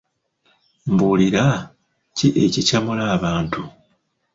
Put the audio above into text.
Mbuulira, ki ekikyamula abantu?